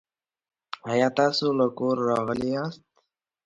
آیا تاسو له کوره راغلي یاست؟